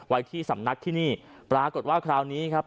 ไว้ที่สำนักที่นี่ปรากฏว่าคราวนี้ครับ